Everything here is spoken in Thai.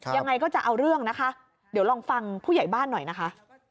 ยังไงก็จะเอาเรื่องนะคะเดี๋ยวลองฟังผู้ใหญ่บ้านหน่อยนะคะ